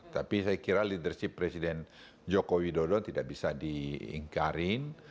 tapi saya kira leadership presiden joko widodo tidak bisa diingkarin